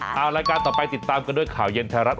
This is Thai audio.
เอารายการต่อไปติดตามกันด้วยข่าวเย็นไทยรัฐ